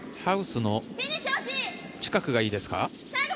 ハウスの近くがいいですか？